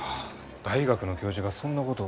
大学の教授がそんなことを。